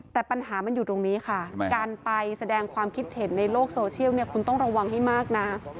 แต่ปัญหามันอยู่ตรงนี้ค่ะการไปแสดงความคิดเห็นในโลกโซเชียลเนี่ยคุณต้องระวังให้มากนะ